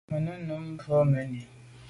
Me num nu à bû mèn i.